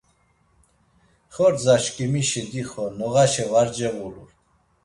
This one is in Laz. Xordzaşkimişi dixo noğaşe var cevulur.